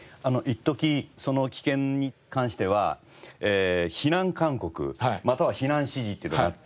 いっときその危険に関しては避難勧告または避難指示っていうのがあって。